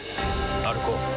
歩こう。